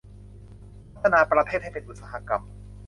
พัฒนาประเทศให้เป็นอุตสาหกรรม